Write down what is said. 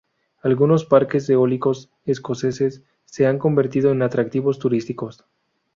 Algunos parques eólicos escoceses se han convertido en atractivos turísticos.